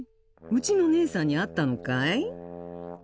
うちのねえさんに会ったのかい？